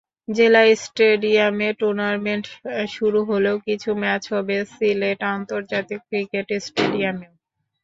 জেলা স্টেডিয়ামে টুর্নামেন্ট শুরু হলেও কিছু ম্যাচ হবে সিলেট আন্তর্জাতিক ক্রিকেট স্টেডিয়ামেও।